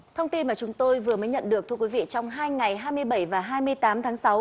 thông tin mà chúng tôi vừa mới nhận được thưa quý vị trong hai ngày hai mươi bảy và hai mươi tám tháng sáu